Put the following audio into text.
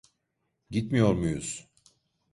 Gitmiyor muyuz?